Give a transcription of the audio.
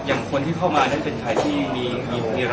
อย่างคนที่เข้ามาเป็นใครที่มีเรารู้จักบ้างไหมครับ